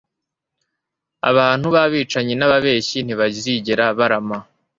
abantu b’abicanyi n’ababeshyi ntibazigera barama